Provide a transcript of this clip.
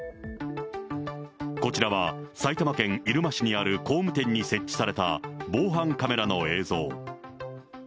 こちらは埼玉県入間市にある工務店に設置された防犯カメラの映像。